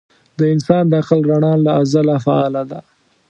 د انسان د عقل رڼا له ازله فعاله ده.